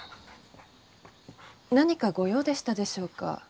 何かご用でしたでしょうか？